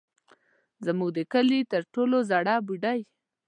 زموږ د کلي تر ټولو زړه بوډۍ.